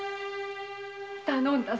頼んだぞ。